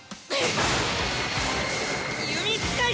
弓使いだ！